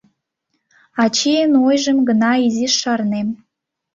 Ачийын ойжым гына изиш шарнем.